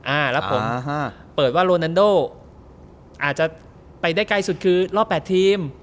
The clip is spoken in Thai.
อ่าแล้วผมเปิดว่าโรนันโดอาจจะไปได้ใกล้สุดคือรอบแปดทีม